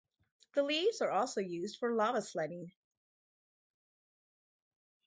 The leaves are also used for lava sledding.